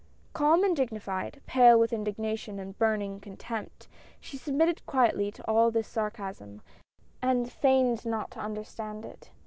Calm and dignified, pale with indignation and burn ing contempt, she submitted quietly to all this sarcasm, and feigned not to understand it.